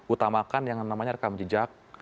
utamakan yang namanya rekam jejak